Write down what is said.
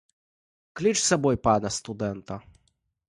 Кліч з сабою пана студэнта.